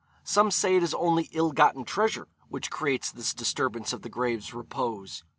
Some say it is only ill gotten treasure which creates this disturbance of the grave's repose.